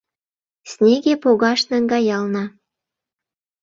Снеге погаш наҥгаялна.